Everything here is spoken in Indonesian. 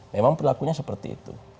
memang perilakunya seperti itu